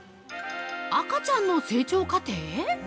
◆赤ちゃんの成長過程？